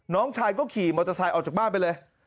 น้องชายก็ขี่มอเตอร์ไซค์ออกจากบ้านไปเลย